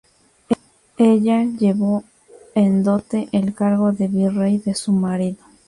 Ella llevó en dote el cargo de Virrey de su marido.